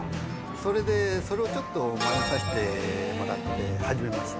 それでそれをちょっとマネさせてもらって始めました。